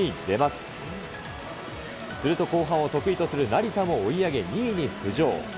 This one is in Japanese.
すると後半を得意とする成田も追い上げ、２位に浮上。